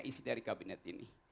isi dari kabinet ini